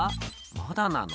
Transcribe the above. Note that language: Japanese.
「まだなの？